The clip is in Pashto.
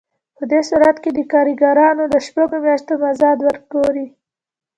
په دې صورت کې د کارګرانو د شپږو میاشتو مزد وګورئ